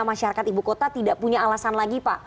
masyarakat ibu kota tidak punya alasan lagi pak